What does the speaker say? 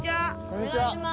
こんにちは。